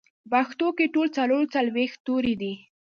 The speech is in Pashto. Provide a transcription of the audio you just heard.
پښتو کې ټول څلور څلوېښت توري دي